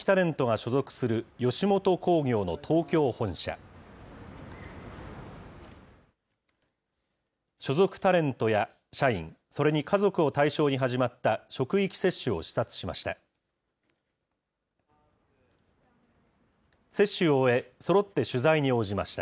所属タレントや社員、それに家族を対象に始まった職域接種を視察しました。